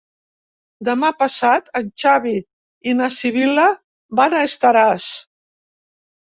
Demà passat en Xavi i na Sibil·la van a Estaràs.